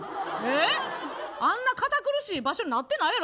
あんな堅苦しい場所になってないやろ。